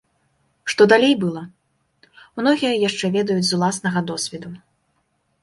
Што далей было, многія яшчэ ведаюць з уласнага досведу.